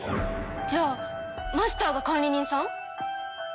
じゃあマスターが管理人さん？